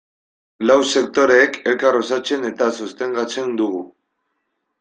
Lau sektoreek elkar osatzen eta sostengatzen dugu.